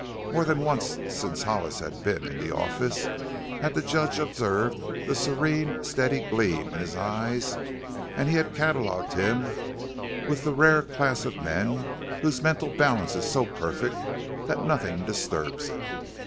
More than once since Hollis had been in the office had the judge observed the serene, steady gleam in his eyes, and he had catalogued him with the rare class of men whose mental balance is so perfect that nothing disturbs it.